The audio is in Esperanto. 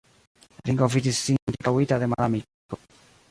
Ringo vidis sin ĉirkaŭita de malamikoj.